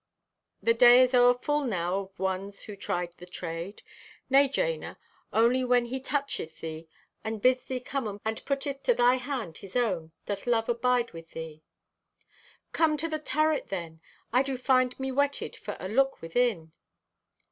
The day is o'er full now of ones who tried the trade. Nay, Jana, only when He toucheth thee and bids thee come and putteth to thy hand His own doth love abide with thee. "Come to the turret, then. I do find me whetted for a look within.